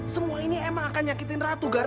semua ini emang akan nyakitin ratu kan